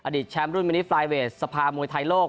แชมป์รุ่นมินิฟลายเวทสภามวยไทยโลก